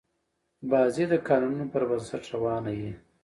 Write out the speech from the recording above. بازي د قانونونو پر بنسټ روانه يي.